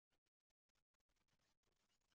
Ayol bu holda o‘z tuyg‘ularini boshqarolmaydi.